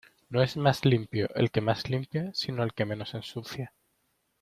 No es más limpio el que más limpia, sino el que menos ensucia.